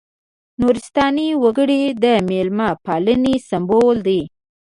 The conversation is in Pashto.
نورستاني وګړي د مېلمه پالنې سمبول دي.